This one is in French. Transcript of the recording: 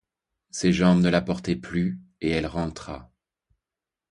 Ses jambes ne la portaient plus, et elle rentra.